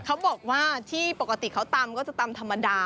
เขาบอกว่าที่ปกติเขาตำก็จะตำธรรมดา